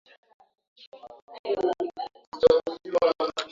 rasmi ya nchi rasmi na ya kwanza ni Kiarabu ikifuatwa na Kikurdi ambayo